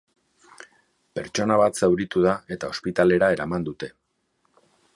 Pertsona bat zauritu da, eta ospitalera eraman dute.